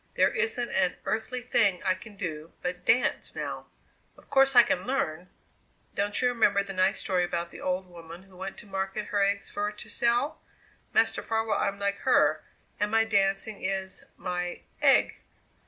There isn't an earthly thing I can do but dance now; of course I can learn. Don't you remember the nice story about the old woman who went to market her eggs for to sell? Master Farwell, I'm like her, and my dancing is my egg!"